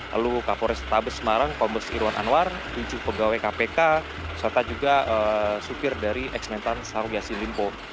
lalu kapolres tabes semarang komers irwan anwar tujuh pegawai kpk serta juga sufir dari eksmentan syahrul yassin limpo